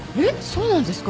そうなんですか？